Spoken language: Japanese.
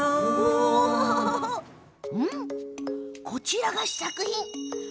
こちらが試作品。